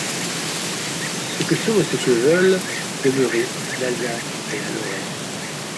Ce que sont et ce que veulent demeurer l’Alsace et la Lorraine.